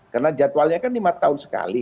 karena jadwalnya kan lima tahun sekali